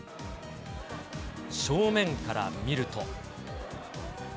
正面から見ると。